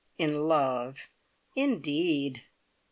In love, indeed!"